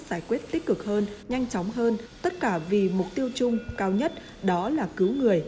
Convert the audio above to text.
giải quyết tích cực hơn nhanh chóng hơn tất cả vì mục tiêu chung cao nhất đó là cứu người